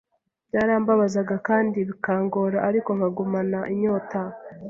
byarambabazaga kandi bikangora ariko nkagumana inyota